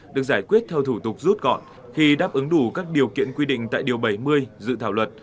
được giải quyết theo thủ tục rút gọn khi đáp ứng đủ các điều kiện quy định tại điều bảy mươi dự thảo luật